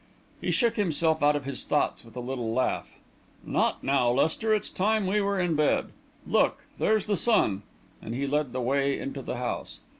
He shook himself out of his thoughts with a little laugh. "Not now, Lester. It's time we were in bed. Look, there's the sun!" and he led the way into the house.